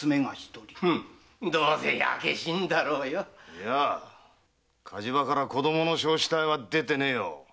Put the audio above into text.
いや火事場から子供の焼死体は出てないよ。